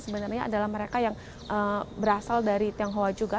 sebenarnya adalah mereka yang berasal dari tionghoa juga